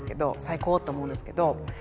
最高と思うんですけど。